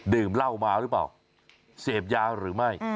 ดื่มเหล้ามาหรือเปล่าเสพยาหรือไม่